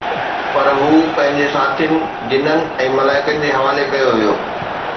پر هو پنهنجي ساٿين، جنن ۽ ملائڪن جي حوالي ڪيو ويو